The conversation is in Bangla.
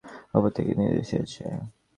উপর থেকে নির্দেশ এসেছে।